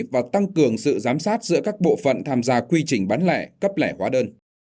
và tăng cường sự giám sát giữa các bộ phận tham gia quy trình bán lẻ cấp lẻ hóa đơn